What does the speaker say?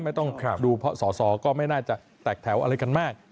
ไม่ต้องดูเพราะสอสอก็ไม่น่าจะแตกแถวอะไรกันมาก